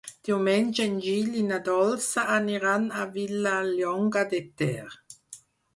Diumenge en Gil i na Dolça aniran a Vilallonga de Ter.